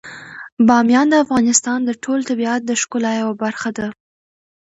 بامیان د افغانستان د ټول طبیعت د ښکلا یوه برخه ده.